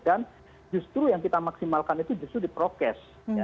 dan justru yang kita maksimalkan itu justru di prokes